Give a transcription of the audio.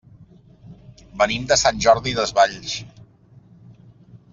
Venim de Sant Jordi Desvalls.